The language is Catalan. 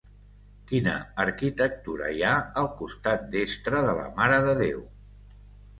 Quina arquitectura hi ha al costat destre de la Mare de Déu?